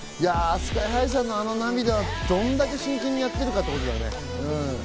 ＳＫＹ−ＨＩさんのあの涙はどんだけ真剣にやってるかってことだよね。